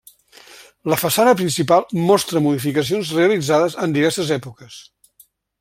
La façana principal mostra modificacions realitzades en diverses èpoques.